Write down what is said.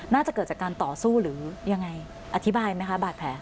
น่าจะเกิดจากการต่อสู้หรือยังไงอธิบายไหมคะบาดแผล